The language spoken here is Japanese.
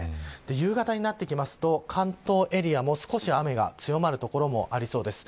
夕方になってきますと関東エリアも少し雨が強まる所もありそうです。